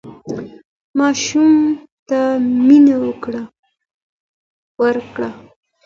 ماشوم ته مينه ورکړه